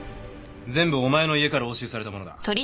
全部お前の家から押収された物だ。